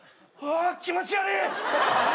気持ち悪い！